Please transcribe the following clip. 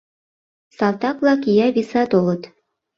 Салтак-влак ия виса толыт.